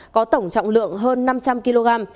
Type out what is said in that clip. có tổng trọng lượng hơn năm trăm linh kg